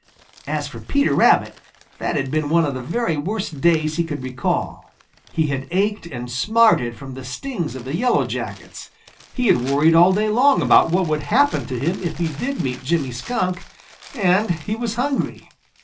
As for Peter Rabbit, that had been one of the very worst days he could recall. He had ached and smarted from the stings of the Yellow Jackets; he had worried all day about what would happen to him if he did meet Jimmy Skunk, and he was hungry.